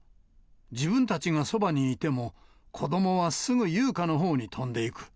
自分たちがそばにいても、子どもはすぐ、優花のほうに飛んでいく。